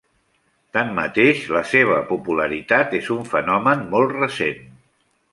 Tanmateix, la seva popularitat és un fenomen molt recent.